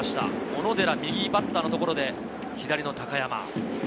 小野寺、右バッターのところで左の高山。